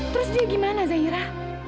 terus dia gimana zaira